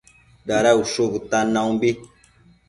Dada ushu bëtan naumbi